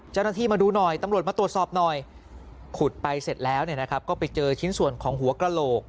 เจ้าหน้าที่มาดูหน่อยตำรวจมาตรวจสอบหน่อยขุดไปเสร็จแล้วก็ไปเจอชิ้นส่วนของหัวกระโหลก